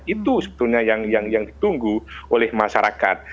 itu sebetulnya yang ditunggu oleh masyarakat